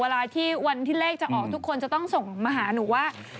เวลาที่วันที่เลขจะออกทุกคนจะต้องส่งมาหาหนูว่า